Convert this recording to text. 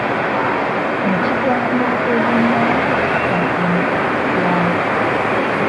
Ekigambo ebyennyanja kyatandika kitya?